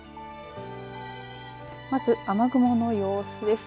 まず雨雲の様子です。